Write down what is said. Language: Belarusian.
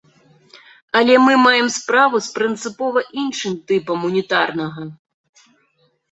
Але мы маем справу з прынцыпова іншым тыпам унітарнага.